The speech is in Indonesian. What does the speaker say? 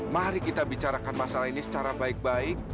mari kita bicarakan masalah ini secara baik baik